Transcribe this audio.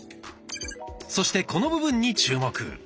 そしてこの部分に注目！